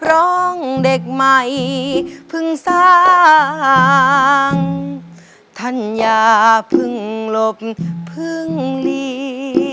ร้องเด็กใหม่เพิ่งสร้างท่านอย่าเพิ่งหลบเพิ่งหนี